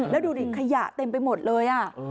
แล้วดูดิขยะเต็มไปหมดเลย